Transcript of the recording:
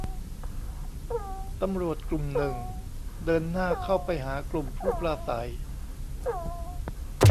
ตำรวจกลุ่มหนึ่งเดินหน้าเข้าไปหากลุ่มผู้ปราศรัย